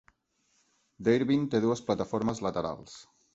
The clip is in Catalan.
Darebin té dues plataformes laterals.